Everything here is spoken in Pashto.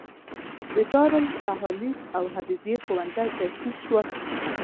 د دارالتالیف او حبیبې ښوونځی تاسیس شول.